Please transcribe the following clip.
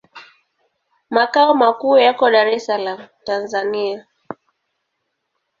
Makao makuu yako Dar es Salaam, Tanzania.